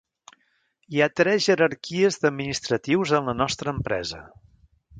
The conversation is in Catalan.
Hi ha tres jerarquies d'administratius en la nostra empresa.